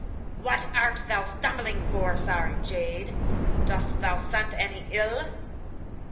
'What art thou stumbling for, sorry jade? Dost thou scent any ill?